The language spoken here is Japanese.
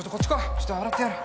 ちょっと洗ってやる。